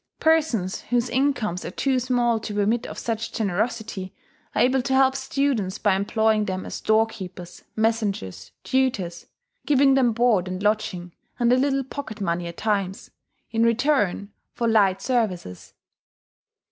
Persons whose incomes are too small to permit of much generosity are able to help students by employing them as door keepers, messengers, tutors, giving them board and lodging, and a little pocket money at times, in return, for light services.